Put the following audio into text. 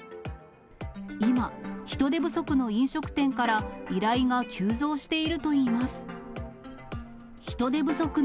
今、人手不足の飲食店から、依頼が急増しているといいます。